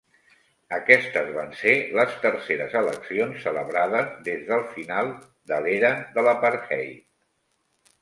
Aquestes van ser les terceres eleccions celebrades des del final de l'era de l'apartheid.